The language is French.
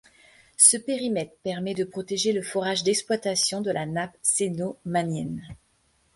Ce périmètre permet de protéger le forage d'exploitation de la nappe cénomanienne.